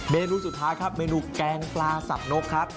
นูสุดท้ายครับเมนูแกงปลาสับนกครับ